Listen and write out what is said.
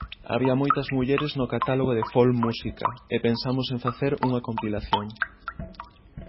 Había moitas mulleres no catálogo de Fol Música e pensamos en facer unha compilación.